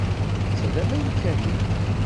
Netta d Amarikani.